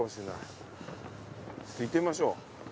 行ってみましょう。